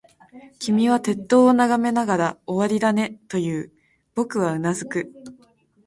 君は鉄塔を眺めながら、終わりだね、と言う。僕はうなずく。